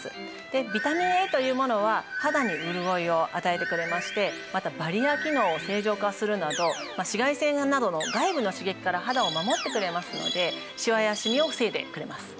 ビタミンＡというものは肌に潤いを与えてくれましてまたバリア機能を正常化するなど紫外線などの外部の刺激から肌を守ってくれますのでシワやシミを防いでくれます。